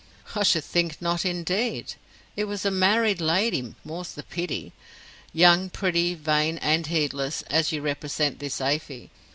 "I should think not, indeed. It was a married lady, more's the pity; young, pretty, vain and heedless, as you represent this Afy.